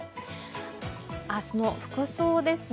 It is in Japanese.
明日の服装です。